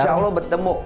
insya allah bertemu